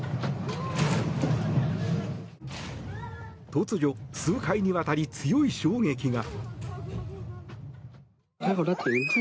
突如、数回にわたり強い衝撃が。